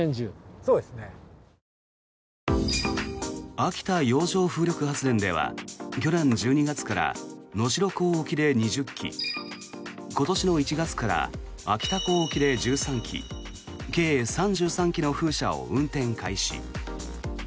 秋田洋上風力発電では去年１２月から能代港沖で２０基今年の１月から秋田港沖で１３基計３３基の風車を運転開始。